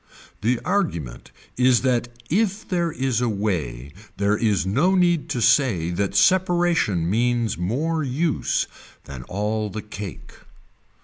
The argument is that if there is a way there is no need to say that separation means more use than all the cake.